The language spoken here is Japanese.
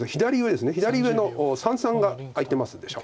左上の三々が空いてますでしょ。